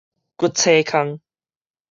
骨髓腔